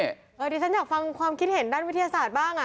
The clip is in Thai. เดี๋ยวฉันอยากฟังความคิดเห็นด้านวิทยาศาสตร์บ้าง